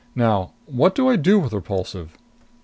"Now, what do I do with Repulsive?"